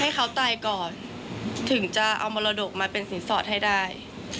ให้เขาตายก่อนถึงจะเอามรดกมาเป็นสินสอดให้ได้